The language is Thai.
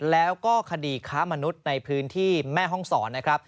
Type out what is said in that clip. แล้วก็คดีค้ามนุษย์ในพื้นที่แม่ห้องศรนะครับ